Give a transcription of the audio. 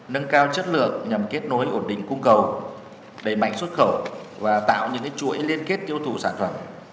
nâng cao chất lượng nhằm kết nối ổn định cung cầu đẩy mạnh xuất khẩu và tạo những chuỗi liên kết tiêu thụ sản phẩm